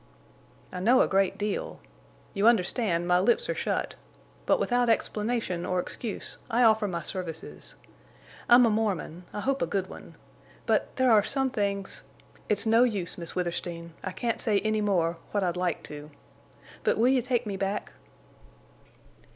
"I know a great deal. You understand, my lips are shut. But without explanation or excuse I offer my services. I'm a Mormon—I hope a good one. But—there are some things!... It's no use, Miss Withersteen, I can't say any more—what I'd like to. But will you take me back?"